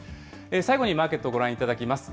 最後にマーケットをご覧いただきます。